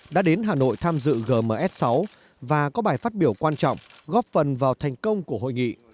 đã đến hà nội tham dự gms sáu và có bài phát biểu quan trọng góp phần vào thành công của hội nghị